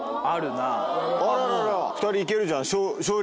２人行けるじゃん。